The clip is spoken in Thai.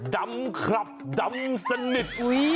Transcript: จำครับจำสนิท